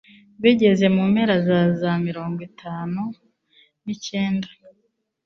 Bigeze mu mpera za zamirongwitanu nicyenda